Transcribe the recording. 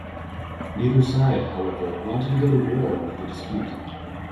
Neither side, however, wanted to go to war over the dispute.